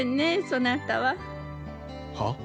そなたは。は？